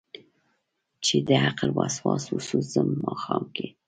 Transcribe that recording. چې دعقل وسواس وسو ځم ماښام کې